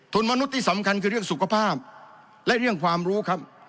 คุณมนุษย์ที่สำคัญคือเรื่องสุขภาพและเรื่องความรู้ครับ